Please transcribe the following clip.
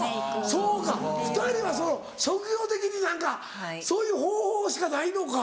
そうか２人は職業的に何かそういう方法しかないのか。